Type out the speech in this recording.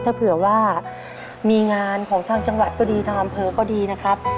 ถ้าเผื่อว่ามีงานของทางจังหวัดก็ดีทางอำเภอก็ดีนะครับ